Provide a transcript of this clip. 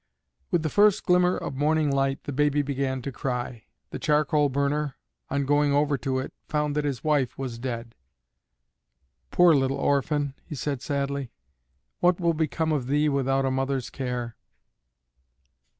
With the first glimmer of morning light the baby began to cry. The charcoal burner, on going over to it, found that his wife was dead. "Poor little orphan," he said sadly, "what will become of thee without a mother's care?"